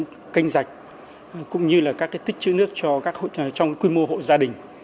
hệ thống kênh dạch cũng như là các cái tích chữ nước trong quy mô hội gia đình